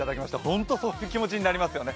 本当にそういう気持ちになりますよね。